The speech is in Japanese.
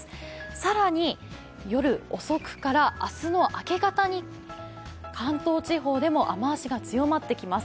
更に、夜遅くから明日の明け方に関東地方でも雨足が強まってきます。